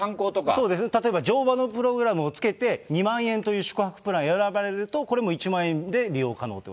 そうですね、例えば乗馬のプログラムを付けて２万円という宿泊プランを選ばれると、これも１万円で利用可能と。